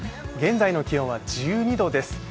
現在の気温は１２度です。